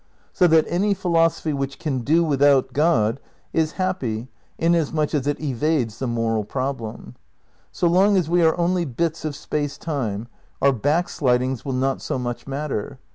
So that any philosophy which can do without God is happy inasmuch as it evades the moral problem. So long as we are only bits of Space Time, our baokslidings will not so much matter.